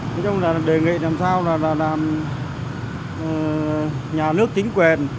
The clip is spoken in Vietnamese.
nói chung là đề nghị làm sao là nhà nước tính quyền